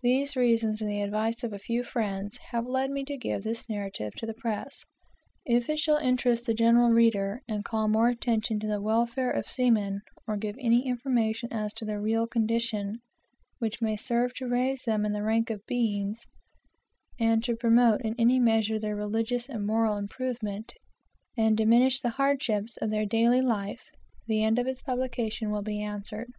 These reasons, and the advice of a few friends, have led me to give this narrative to the press. If it shall interest the general reader, and call more attention to the welfare of seamen, or give any information as to their real condition, which may serve to raise them in the rank of beings, and to promote in any measure their religious and moral improvement, and diminish the hardships of their daily life, the end of its publication will be answered.